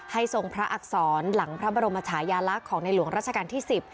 ทรงพระอักษรหลังพระบรมชายาลักษณ์ของในหลวงราชการที่๑๐